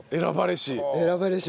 選ばれし。